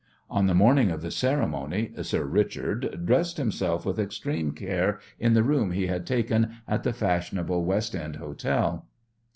On the morning of the ceremony "Sir Richard" dressed himself with extreme care in the room he had taken at the fashionable West End hotel.